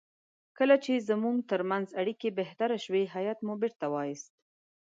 کله چې زموږ ترمنځ اړیکې بهتر شوې هیات مو بیرته وایست.